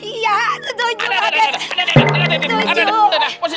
iya tentu juga dek